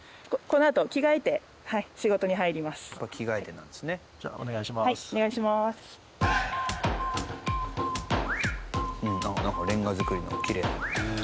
なんかレンガ造りのきれいな。